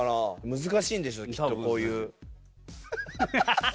難しいんでしょう、きっとこういう。